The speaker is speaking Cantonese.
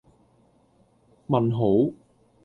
問號